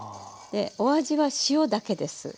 お味は塩だけです。